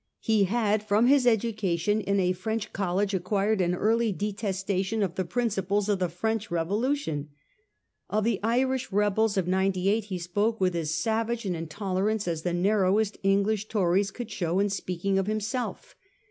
He had from his education in a French college acquired an early detestation of the principles of the French Revolu tion. Of the Irish rebels of '98 he spoke with as savage an intolerance as the narrowest English Tories could show in speaking of himself.